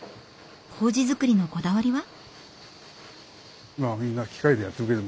こうじづくりのこだわりは？